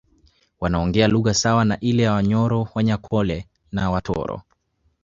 Wanaongea lugha sawa na ile ya Wanyoro Wanyankole na Watoro